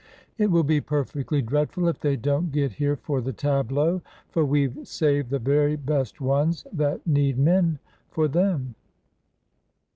It will be perfectly dreadful if they don't get here for the tableaux, for we 've saved the very best ones that need men for them."